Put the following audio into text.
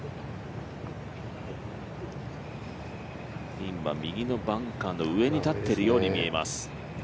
ピンは右のバンカーの上に立っているように見えます。